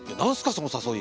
その誘い。